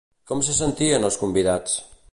Com se sentien els convidats?